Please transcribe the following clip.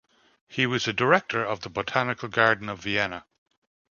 He was a director of the Botanical Garden of Vienna.